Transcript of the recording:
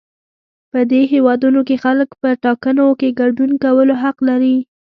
په دې هېوادونو کې خلک په ټاکنو کې ګډون کولو حق لري.